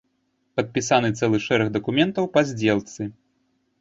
Падпісаны цэлы шэраг дакументаў па здзелцы.